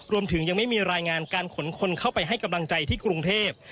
ยังไม่มีรายงานการขนคนเข้าไปให้กำลังใจที่กรุงเทพ